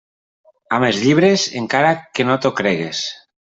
Amb els llibres, encara que no t'ho cregues.